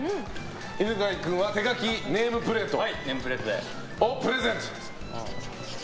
犬飼君は、手書きネームプレートをプレゼント！